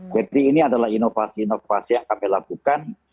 jadi ini adalah inovasi inovasi yang kami lakukan